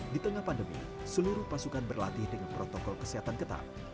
di tengah pandemi seluruh pasukan berlatih dengan protokol kesehatan ketat